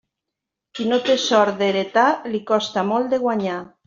Qui no té sort d'heretar, li costa molt de guanyar.